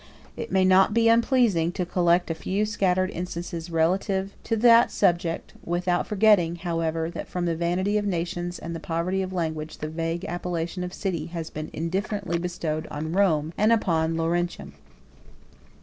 It may not be unpleasing to collect a few scattered instances relative to that subject without forgetting, however, that from the vanity of nations and the poverty of language, the vague appellation of city has been indifferently bestowed on Rome and upon Laurentum.